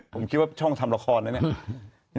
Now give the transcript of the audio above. ผมคิดว่าช่องทำระครนี่